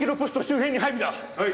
はい。